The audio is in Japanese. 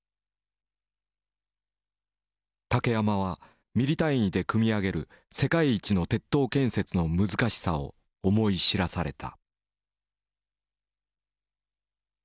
竹山はミリ単位で組み上げる世界一の鉄塔建設の難しさを思い知らされた。